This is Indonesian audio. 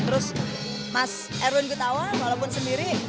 terus mas erwin gutawan walaupun sendiri dari karimata